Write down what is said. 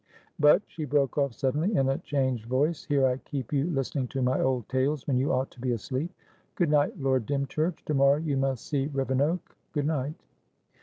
But," she broke off suddenly in a changed voice, "here I keep you listening to my old tales, when you ought to be asleep. Good night, Lord Dymchurch! To morrow you must see Rivenoak. Good night!"